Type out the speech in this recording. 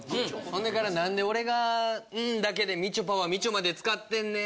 ほんでから何で俺が「ん」だけでみちょぱは「みちょ」まで使ってんねん！